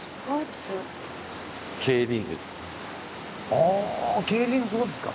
あぁ競輪そうですか。